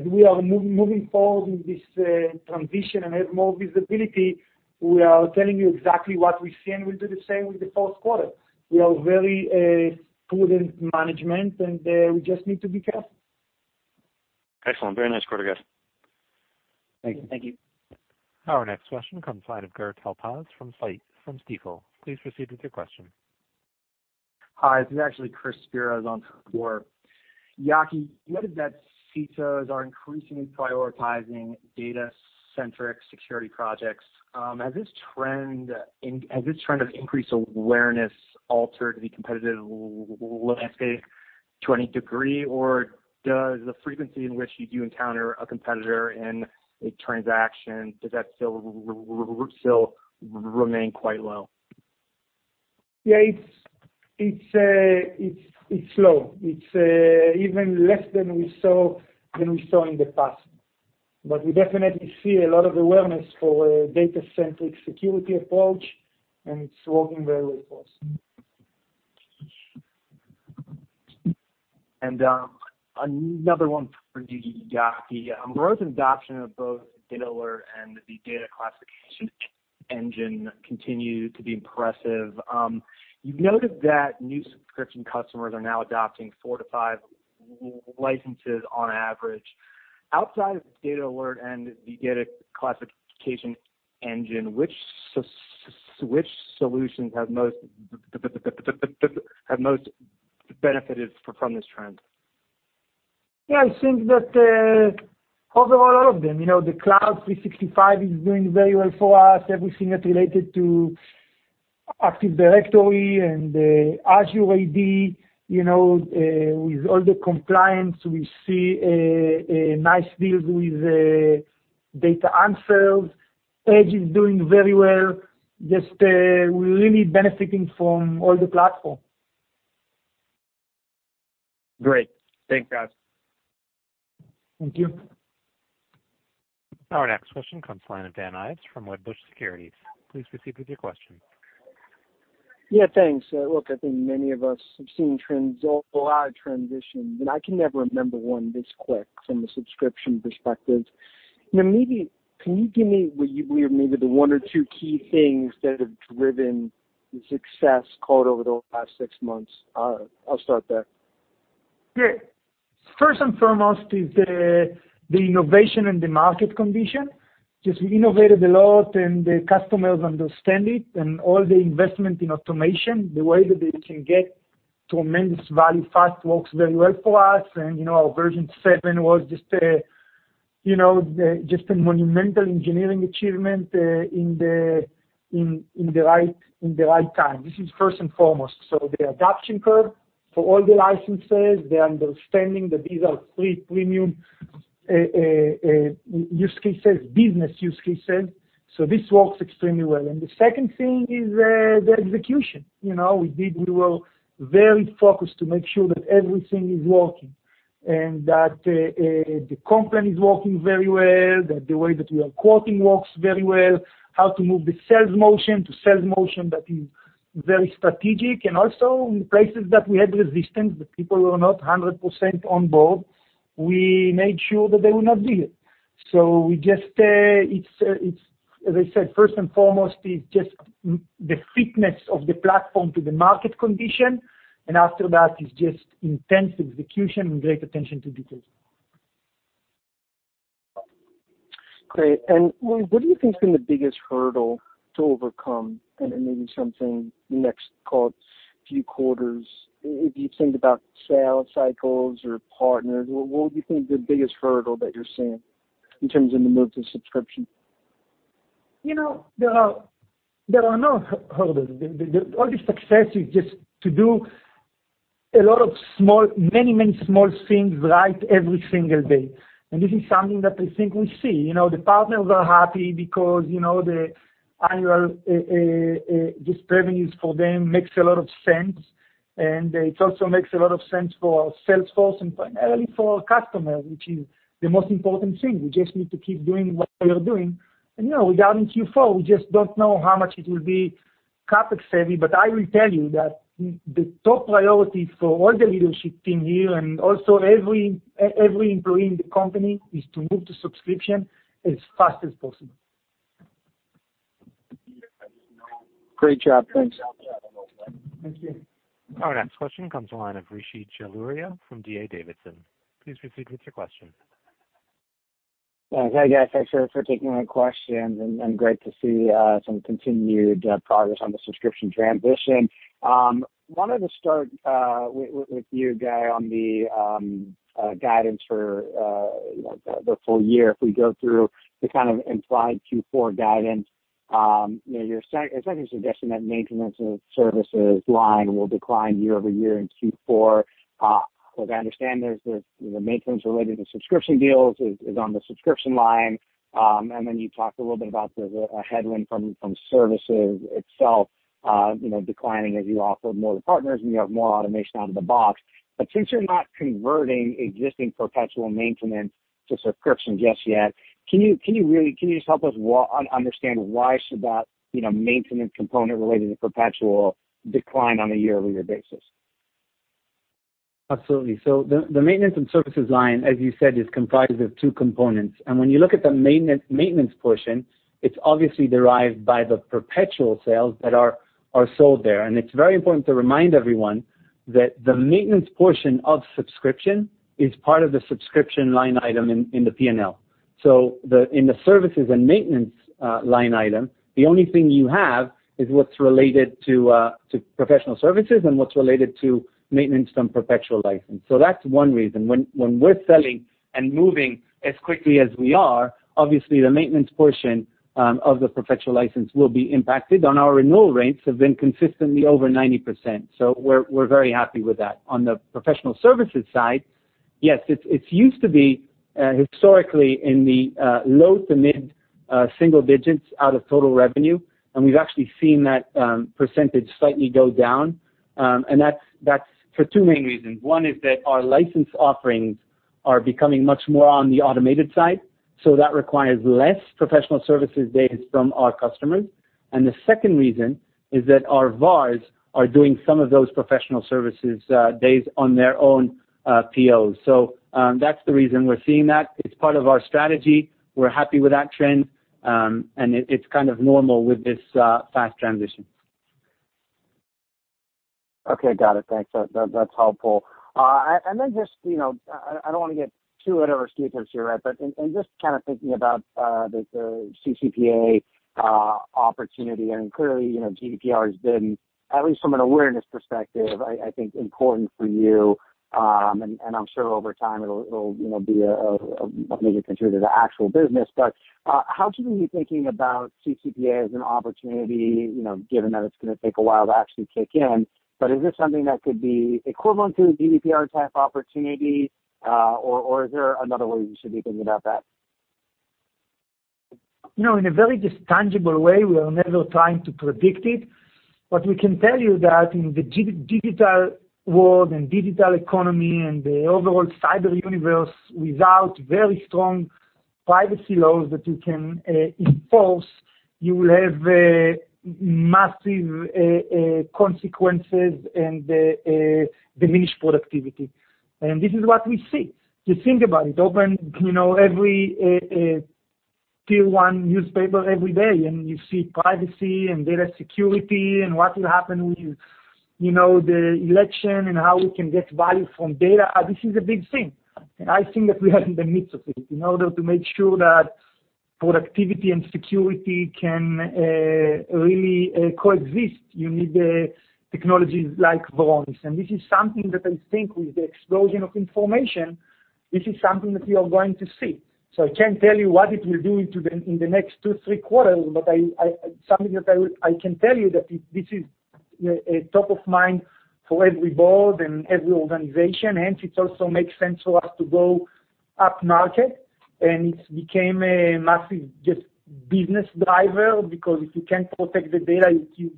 we are moving forward with this transition and have more visibility, we are telling you exactly what we see, and we'll do the same with the fourth quarter. We are very prudent management, and we just need to be careful. Excellent. Very nice quarter, guys. Thank you. Thank you. Our next question comes line of Gur Talpaz from Stifel. Please proceed with your question. Hi, this is actually Chris Speros on for Gur. Yaki, you noted that CISOs are increasingly prioritizing data centric security projects. Has this trend of increased awareness altered the competitive landscape to any degree, or does the frequency in which you do encounter a competitor in a transaction, does that still remain quite low? Yeah, it's low. It's even less than we saw in the past. We definitely see a lot of awareness for a data centric security approach, and it's working very well for us. Another one for you, Yaki. Growth and adoption of both DatAlert and the Data Classification Engine continue to be impressive. You've noted that new subscription customers are now adopting four to five licenses on average. Outside of DatAlert and the Data Classification Engine, which solutions have most benefited from this trend? Yeah, I think that overall, all of them. The 365 is doing very well for us. Everything that's related to Active Directory and Azure AD, with all the compliance, we see nice deals with DatAnswers. Edge is doing very well, just we're really benefiting from all the platform. Great. Thanks, guys. Thank you. Our next question comes line of Dan Ives from Wedbush Securities. Please proceed with your question. Yeah, thanks. Look, I think many of us have seen a lot of transitions, I can never remember one this quick from a subscription perspective. Can you give me what you believe may be the one or two key things that have driven the success, caught over the past six months? I'll start there. Yeah. First and foremost is the innovation and the market condition. Just we innovated a lot, and the customers understand it, and all the investment in automation, the way that they can get tremendous value fast works very well for us. Our version seven was just a monumental engineering achievement in the right time. This is first and foremost. The adoption curve for all the licenses, the understanding that these are three premium use cases, business use cases, so this works extremely well. The second thing is the execution. We were very focused to make sure that everything is working, and that the company is working very well, that the way that we are quoting works very well, how to move the sales motion to sales motion that is very strategic. Also in places that we had resistance, the people were not 100% on board, we made sure that they will not be here. As I said, first and foremost, it's just the fitness of the platform to the market condition, and after that, it's just intense execution and great attention to detail. Great. What do you think has been the biggest hurdle to overcome and then maybe something next call, few quarters, if you think about sales cycles or partners, what would you think the biggest hurdle that you're seeing in terms of the move to subscription? There are no hurdles. All the success is just to do a lot of many small things right every single day. This is something that I think we see. The partners are happy because, the annual, this revenues for them makes a lot of sense, and it also makes a lot of sense for our sales force and primarily for our customers, which is the most important thing. We just need to keep doing what we are doing. Regarding Q4, we just don't know how much it will be CapEx heavy. I will tell you that the top priority for all the leadership team here and also every employee in the company is to move to subscription as fast as possible. Great job. Thanks. Thank you. Our next question comes the line of Rishi Jaluria from D.A. Davidson. Please proceed with your question. Hi, guys. Thanks for taking my questions. Great to see some continued progress on the subscription transition. Wanted to start with you, Guy, on the guidance for the full year. If we go through the kind of implied Q4 guidance, your second suggestion that maintenance and services line will decline year-over-year in Q4. As I understand, there's the maintenance related to subscription deals is on the subscription line. You talked a little bit about the headwind from services itself declining as you offer more to partners and you have more automation out of the box. Since you're not converting existing perpetual maintenance to subscriptions just yet, can you just help us understand why should that maintenance component related to perpetual decline on a year-over-year basis? Absolutely. The maintenance and services line, as you said, is comprised of two components. When you look at the maintenance portion, it's obviously derived by the perpetual sales that are sold there. It's very important to remind everyone that the maintenance portion of subscription is part of the subscription line item in the P&L. In the services and maintenance line item, the only thing you have is what's related to professional services and what's related to maintenance from perpetual license. That's one reason. When we're selling and moving as quickly as we are, obviously the maintenance portion of the perpetual license will be impacted, and our renewal rates have been consistently over 90%. We're very happy with that. On the professional services side, yes, it used to be historically in the low to mid single digits out of total revenue. We've actually seen that percentage slightly go down. That's for two main reasons. One is that our license offerings are becoming much more on the automated side, so that requires less professional services data from our customers. The second reason is that our VARs are doing some of those professional services days on their own POs. That's the reason we're seeing that. It's part of our strategy. We're happy with that trend, and it's kind of normal with this fast transition. Okay, got it. Thanks. That's helpful. Then just, I don't want to get too out of our skis here, but in just kind of thinking about the CCPA opportunity, and clearly, GDPR has been, at least from an awareness perspective, I think, important for you. I'm sure over time it'll be a major contributor to the actual business. How should we be thinking about CCPA as an opportunity, given that it's going to take a while to actually kick in? Is this something that could be equivalent to GDPR type opportunity? Is there another way we should be thinking about that? In a very just tangible way, we are never trying to predict it. What we can tell you that in the digital world and digital economy and the overall cyber universe, without very strong privacy laws that you can enforce, you will have massive consequences and diminished productivity. This is what we see. Just think about it, open tier one newspaper every day, and you see privacy and data security and what will happen with the election and how we can get value from data. This is a big thing. I think that we are in the midst of it. In order to make sure that productivity and security can really coexist, you need technologies like Varonis. This is something that I think with the explosion of information, this is something that we are going to see. I can't tell you what it will do in the next two, three quarters, but something that I can tell you that this is top of mind for every board and every organization, hence it also makes sense for us to go up market. It's became a massive just business driver, because if you can't protect the data, you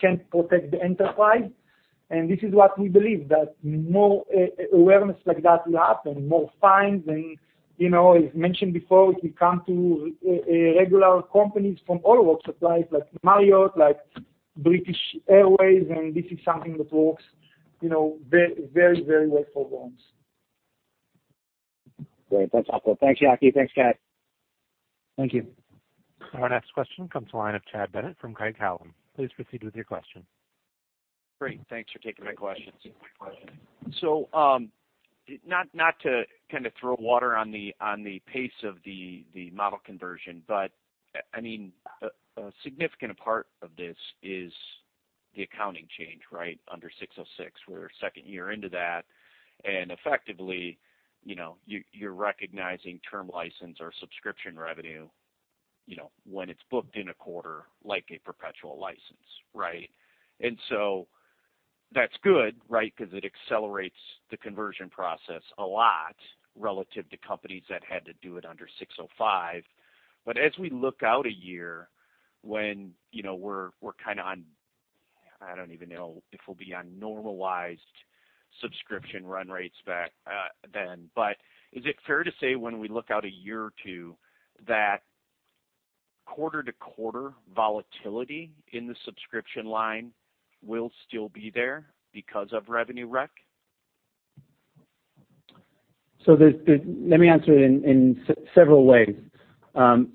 can't protect the enterprise. This is what we believe, that more awareness like that will happen, more fines. As mentioned before, it will come to regular companies from all walks of life, like Marriott, like British Airways, and this is something that works. Very, very, very hopeful ones. Great. That's helpful. Thanks, Yaki. Thanks, Guy. Thank you. Our next question comes to the line of Chad Bennett from Craig-Hallum. Please proceed with your question. Great. Thanks for taking my question. Not to kind of throw water on the pace of the model conversion, but a significant part of this is the accounting change, right? Under 606. We're second year into that, and effectively, you're recognizing term license or subscription revenue, when it's booked in a quarter, like a perpetual license, right? That's good, right? Because it accelerates the conversion process a lot relative to companies that had to do it under 605. As we look out a year when we're kind of on, I don't even know if we'll be on normalized subscription run rates back then. Is it fair to say when we look out a year or two that quarter-to-quarter volatility in the subscription line will still be there because of revenue rec? Let me answer it in several ways.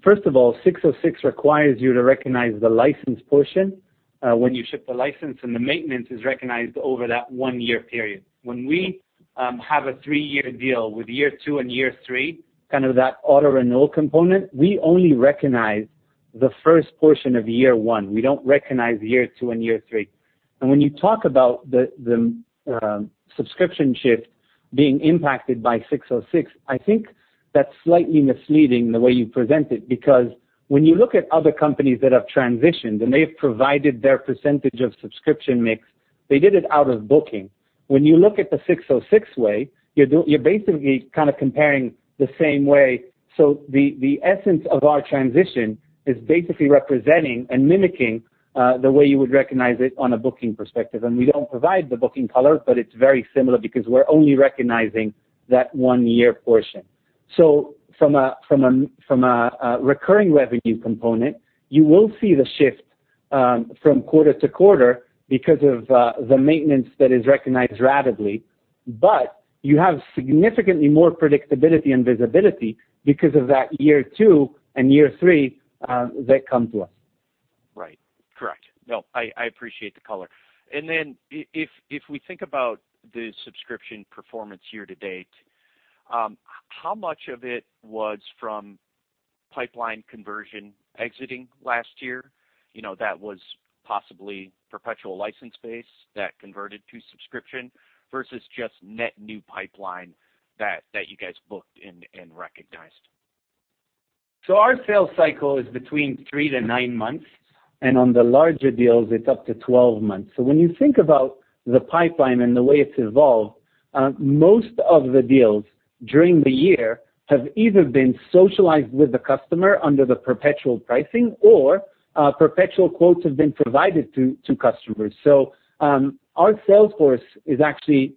First of all, 606 requires you to recognize the license portion, when you ship the license and the maintenance is recognized over that one-year period. When we have a three-year deal with year two and year three, kind of that auto-renewal component, we only recognize the first portion of year one. We don't recognize year two and year three. When you talk about the subscription shift being impacted by 606, I think that's slightly misleading the way you present it, because when you look at other companies that have transitioned and they've provided their percentage of subscription mix, they did it out of booking. When you look at the 606 way, you're basically kind of comparing the same way. The essence of our transition is basically representing and mimicking the way you would recognize it on a booking perspective. We don't provide the booking color, but it's very similar because we're only recognizing that one-year portion. From a recurring revenue component, you will see the shift from quarter to quarter because of the maintenance that is recognized ratably, but you have significantly more predictability and visibility because of that year two and year three that come to us. Right. Correct. I appreciate the color. If we think about the subscription performance year-to-date, how much of it was from pipeline conversion exiting last year, that was possibly perpetual license base that converted to subscription versus just net new pipeline that you guys booked and recognized? Our sales cycle is between three to nine months, and on the larger deals, it's up to 12 months. When you think about the pipeline and the way it's evolved, most of the deals during the year have either been socialized with the customer under the perpetual pricing or perpetual quotes have been provided to customers. Our sales force is actually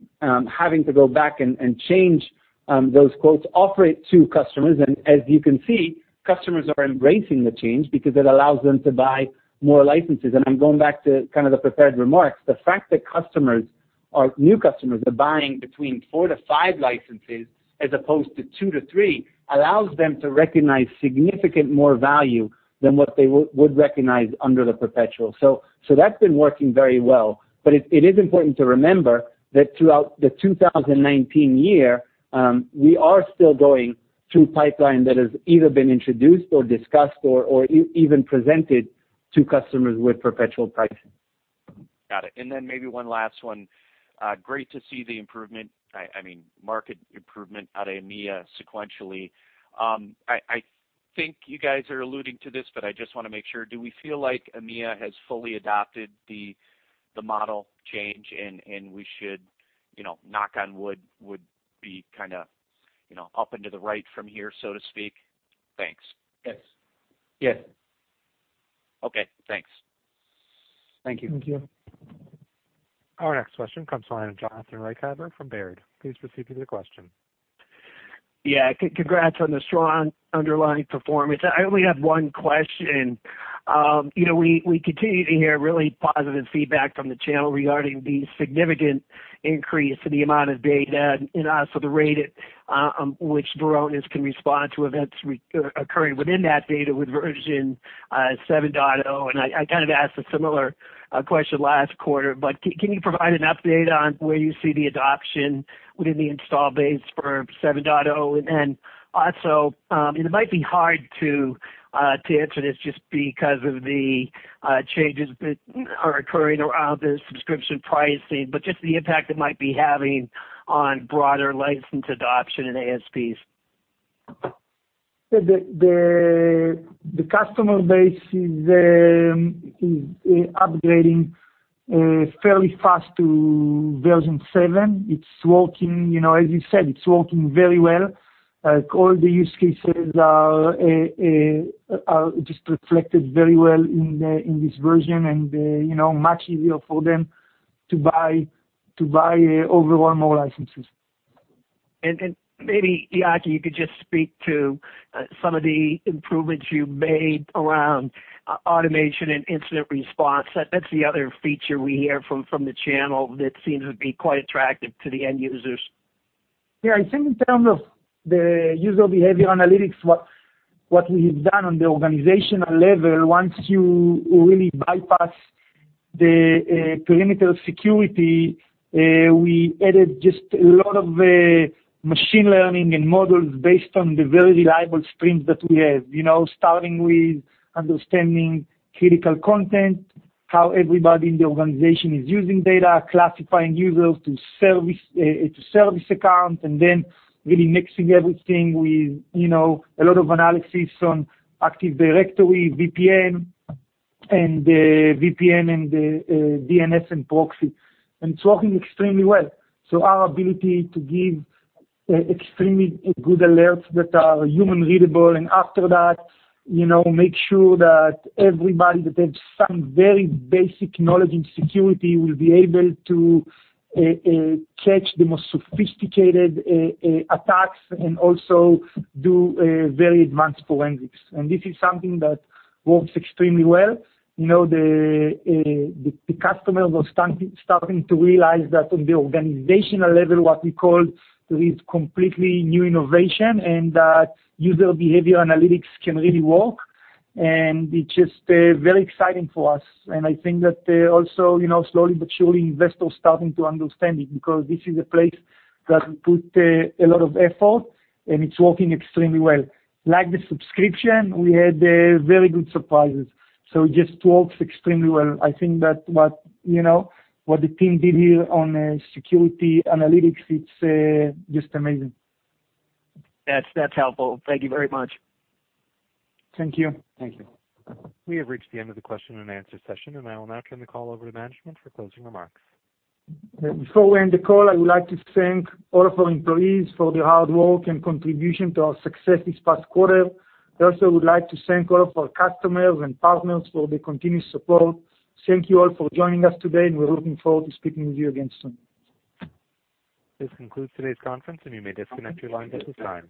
having to go back and change those quotes, offer it to customers, and as you can see, customers are embracing the change because it allows them to buy more licenses. I'm going back to kind of the prepared remarks. The fact that customers or new customers are buying between four to five licenses as opposed to two to three allows them to recognize significant more value than what they would recognize under the perpetual. That's been working very well. It is important to remember that throughout the 2019 year, we are still going through pipeline that has either been introduced or discussed or even presented to customers with perpetual pricing. Got it. Maybe one last one. Great to see the improvement, I mean, market improvement out of EMEA sequentially. I think you guys are alluding to this, I just want to make sure. Do we feel like EMEA has fully adopted the model change and we should, knock on wood, would be kind of up and to the right from here, so to speak? Thanks. Yes. Yes. Okay, thanks. Thank you. Thank you. Our next question comes to the line of Jonathan Ruykhaver from Baird. Please proceed with your question. Yeah. Congrats on the strong underlying performance. I only have one question. We continue to hear really positive feedback from the channel regarding the significant increase in the amount of data and also the rate at which Varonis can respond to events occurring within that data with version 7.0. I kind of asked a similar question last quarter, but can you provide an update on where you see the adoption within the install base for 7.0? Also, it might be hard to answer this just because of the changes that are occurring around the subscription pricing, but just the impact it might be having on broader license adoption and ASPs. The customer base is upgrading fairly fast to version seven. As you said, it's working very well. All the use cases are just reflected very well in this version and much easier for them to buy overall more licenses. Maybe, Yaki, you could just speak to some of the improvements you've made around automation and incident response. That's the other feature we hear from the channel that seems to be quite attractive to the end users. I think in terms of the User Behavior Analytics, what we've done on the organizational level, once you really bypass the perimeter security, we added just a lot of machine learning and models based on the very reliable streams that we have, starting with understanding critical content, how everybody in the organization is using data, classifying users to service account, and then really mixing everything with a lot of analysis on Active Directory, VPN, and DNS and proxy. It's working extremely well. Our ability to give extremely good alerts that are human readable, after that, make sure that everybody that has some very basic knowledge in security will be able to catch the most sophisticated attacks and also do very advanced forensics. This is something that works extremely well. The customers are starting to realize that on the organizational level, what we call is completely new innovation. That User Behavior Analytics can really work, and it's just very exciting for us. I think that also, slowly but surely, investors are starting to understand it because this is a place that we put a lot of effort. It's working extremely well. Like the subscription, we had very good surprises. It just works extremely well. I think that what the team did here on security analytics, it's just amazing. That's helpful. Thank you very much. Thank you. Thank you. We have reached the end of the question and answer session, and I will now turn the call over to management for closing remarks. Before we end the call, I would like to thank all of our employees for their hard work and contribution to our success this past quarter. I also would like to thank all of our customers and partners for their continued support. Thank you all for joining us today. We're looking forward to speaking with you again soon. This concludes today's conference, and you may disconnect your lines at this time.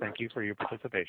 Thank you for your participation.